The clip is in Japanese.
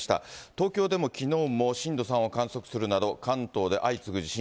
東京でもきのうも震度３を観測するなど、関東で相次ぐ地震。